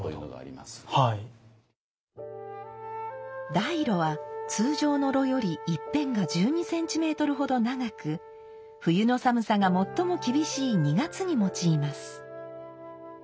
大炉は通常の炉より一辺が１２センチメートルほど長く冬の寒さが最も厳しい２月に用います。